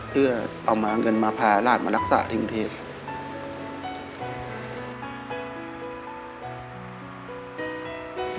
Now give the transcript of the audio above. เพื่อเอามาเงินมาพาหลานมารักษาที่กรุงเทพ